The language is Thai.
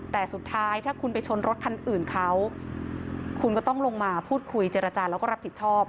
แต่สุดท้ายถ้าคุณไปชนรถคันอื่นเขาคุณก็ต้องลงมาพูดคุยเจรจาแล้วก็รับผิดชอบ